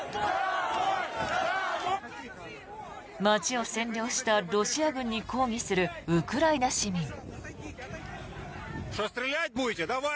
街を占領したロシア軍に抗議するウクライナ市民。